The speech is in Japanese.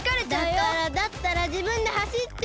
だからだったらじぶんではしってよ！